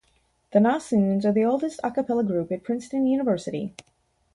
The Nassoons are the oldest a cappella group at Princeton University.